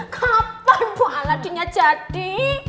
kapan bu aladinnya jadi